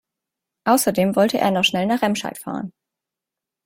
Außerdem wollte er noch schnell nach Remscheid fahren